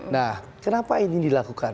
nah kenapa ini dilakukan